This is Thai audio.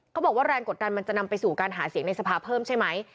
บอกว่าแรงกดดันมันจะนำไปสู่การหาเสียงในสภาเพิ่มใช่ไหม